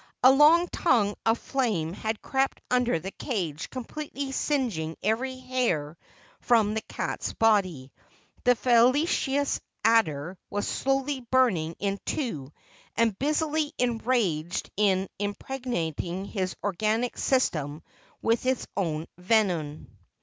A long tongue of flame had crept under the cage, completely singing every hair from the cat's body. The felicitous adder was slowly burning in two and busily engaged in impregnating his organic system with his own venom.